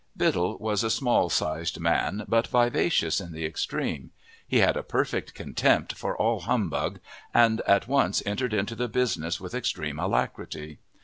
Biddle was a small sized man, but vivacious in the extreme. He had a perfect contempt for all humbug, and at once entered into the business with extreme alacrity.